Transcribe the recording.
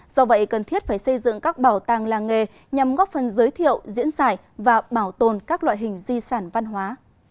do vậy cần thiết phải xây dựng các bảo tàng làng nghề nhằm góp phần giới thiệu diễn giải và bảo tồn các loại hình di sản văn hóa